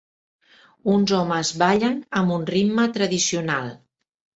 Uns homes ballen amb un ritme tradicional.